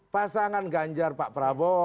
pasangan ganjar pak prabowo